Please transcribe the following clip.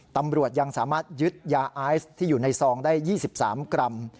ตำรวจยังสามารถยึดยาไอซ์ที่อยู่ในซองได้๒๓กรัม